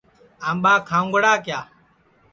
آمٻا کھاؤنگڑا کِیا